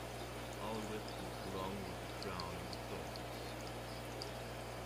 Olivet, along with the crowning of thorns.